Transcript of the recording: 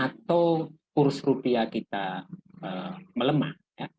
atau kurs rupiah kita melemah